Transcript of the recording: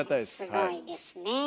すごいですねえ。